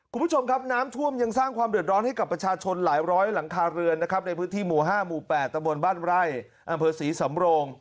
คุณผู้ชมครับน้ำชวมยังสร้างความเดือดร้อนให้กับประชาชนหลายร้อยหลังคาเรือนนะครับในพื้นที่หมู่ห้ามูอแบบรบลบ้านไรร์อ